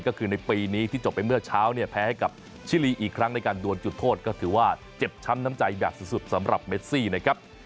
ก็คือในปีนี้ที่จบไปเมื่อเช้าเนี่ยแพ้ให้กับชิลีอีกครั้งในการดวนจุดโทษก็ถือว่าเจ็บช้ำน้ำใจแบบสุดสำหรับเมซี่นะครับ